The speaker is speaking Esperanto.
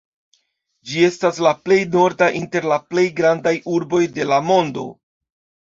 Ĝi estas la plej norda inter la plej grandaj urboj de la mondo.